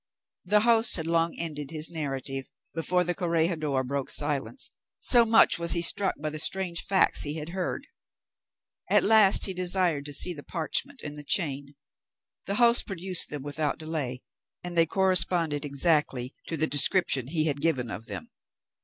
The host had long ended his narrative before the corregidor broke silence, so much was he struck by the strange facts he had heard. At last he desired to see the parchment and the chain; the host produced them without delay, and they corresponded exactly to the description he had given of them.